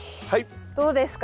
どうですか？